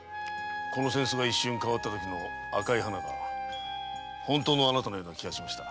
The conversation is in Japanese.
この扇子が一瞬変わったときの赤い花が本当のあなたのような気がしました。